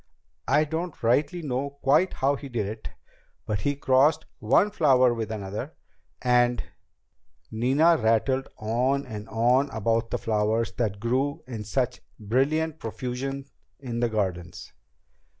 I don't rightly know quite how he did it, but he crossed one flower with another, and ..." Nina rattled on and on about the flowers that grew in such brilliant profusion in the gardens.